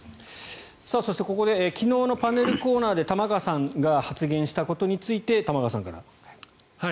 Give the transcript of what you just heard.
そして昨日のパネルコーナーで玉川さんが発言したことについて玉川さんから。